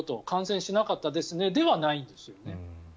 感染しなかったですねではないんですよね。